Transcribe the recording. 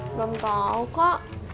nggak mau tahu kak